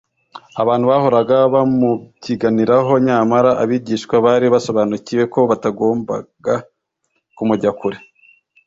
abantu bahoraga bamubyiganiraho, nyamara abigishwa bari basobanukiwe ko batagombaga kumujya kure